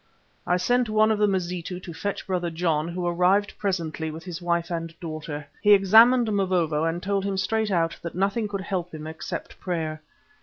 I sent one of the Mazitu to fetch Brother John, who arrived presently with his wife and daughter. He examined Mavovo and told him straight out that nothing could help him except prayer.